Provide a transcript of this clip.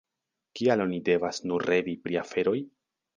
Kial oni devas nur revi pri aferoj?